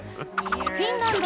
フィンランド